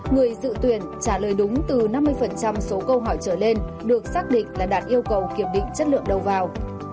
người dự tuyển trả lời đúng từ năm mươi số câu hỏi trở lên được xác định là đạt yêu cầu kiểm định chất lượng đầu vào